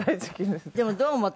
でもどう思った？